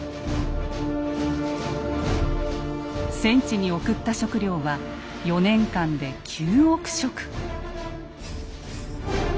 戦地に送った食糧は４年間で９億食。